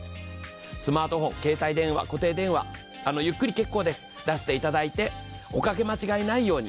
スマートフォン、携帯電話、固定電話、ゆっくりで結構です、出していただいて、おかけ間違えないように。